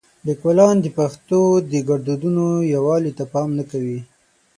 لیکوالان د پښتو د ګړدودونو یووالي ته پام نه کوي.